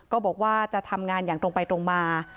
ก็บอกว่าจะทำงานอย่างตรงไปตรงมา